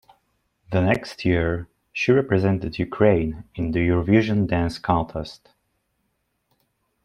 The next year, she represented Ukraine in the Eurovision Dance Contest.